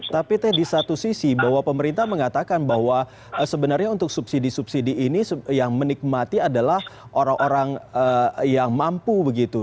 tapi teh di satu sisi bahwa pemerintah mengatakan bahwa sebenarnya untuk subsidi subsidi ini yang menikmati adalah orang orang yang mampu begitu